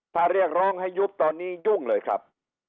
ถ้าเรียกร้องให้ยุบตอนนี้ยุ่งเลยครับ